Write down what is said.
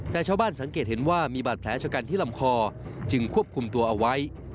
แต่ชาวบ้านสังเกตเห็นว่ามีบาดแผลชะกันที่ลำคอจึงควบคุมตัวเอาไว้